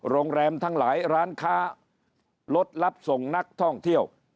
โรงแรมทั้งหลายร้านค้ารถรับส่งนักท่องเที่ยว